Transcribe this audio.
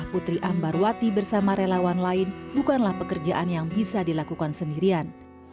putri ambarwati bersama relawan lain bukanlah pekerjaan yang bisa dilakukan sendirian